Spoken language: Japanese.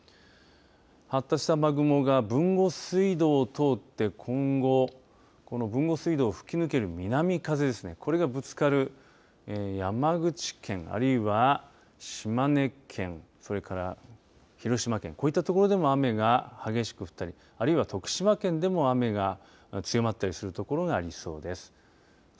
発達した雨雲が豊後水道を通って今後この豊後水道を吹き抜ける南風これがぶつかる山口県、あるいは島根県それから広島県こういったところでも雨が激しくたりあるいは徳島県でも雨が強まったりするところがありそうです。